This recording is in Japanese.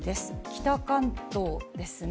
北関東ですね。